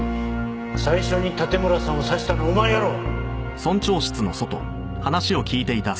最初に盾村さんを刺したのはお前やろう！